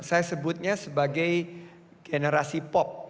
saya sebutnya sebagai generasi pop